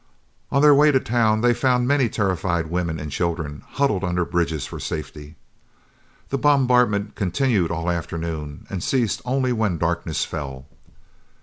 On their way to town, they found many terrified women and children huddled under bridges for safety. The bombardment continued all the afternoon, and ceased only when darkness fell.